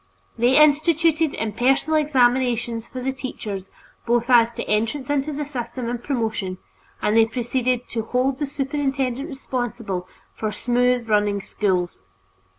They instituted impersonal examinations for the teachers both as to entrance into the system and promotion, and they proceeded "to hold the superintendent responsible" for smooth running schools.